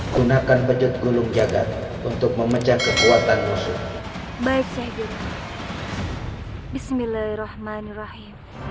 gunakan pecut gulung jagad untuk memecah kekuatan musuh baiknya bismillahirrohmanirrohim